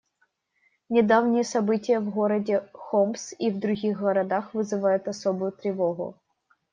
Недавние события в городе Хомс и в других городах вызывают особую тревогу.